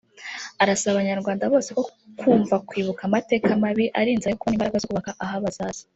arasaba Abanyarwanda bose kumva ko kwibuka amateka mabi ari inzira yo kubona imbaraga zo kubaka ah’abazaza